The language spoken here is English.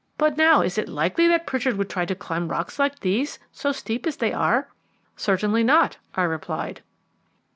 But now, is it likely that Pritchard would try to climb rocks like these, so steep as they are?" "Certainly not," I replied.